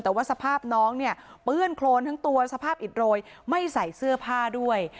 แต่ว่าสภาพน้องเนี่ยเปื้อนโครนทั้งตัวสภาพอิดโรยไม่ใส่เสื้อผ้าด้วย